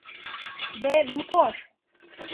Ve motor!